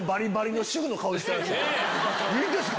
いいんですか？